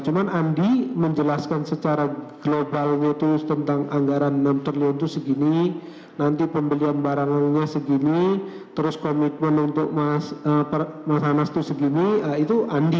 cuma andi menjelaskan secara globalnya itu tentang anggaran enam triliun itu segini nanti pembelian barangannya segini terus komitmen untuk mas anas itu segini itu andi